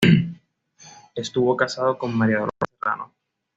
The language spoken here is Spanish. Estuvo casado con María Dolores Serrano.